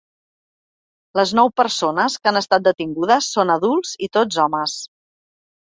Les nou persones, que han estat detingudes, són adults i tots homes.